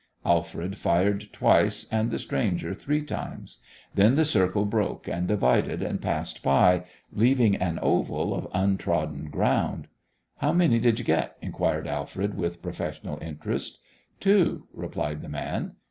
Alfred fired twice and the stranger three times. Then the circle broke and divided and passed by, leaving an oval of untrodden ground. "How many did you get?" inquired Alfred, with professional interest. "Two," replied the man.